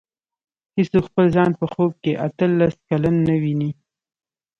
هېڅوک خپل ځان په خوب کې اته لس کلن نه ویني.